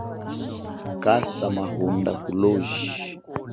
Kasa mahunda kuloji.